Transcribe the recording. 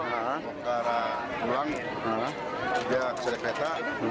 mau ke arah pulang dia keseret kereta